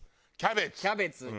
キャベツ。